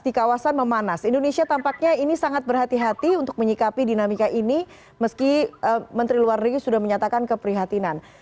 di kawasan memanas indonesia tampaknya ini sangat berhati hati untuk menyikapi dinamika ini meski menteri luar negeri sudah menyatakan keprihatinan